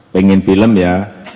pengen film ya